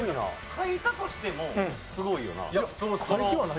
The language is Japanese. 書いたとしてもすごいよな。